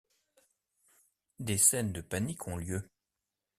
Des scènes de panique ont lieu.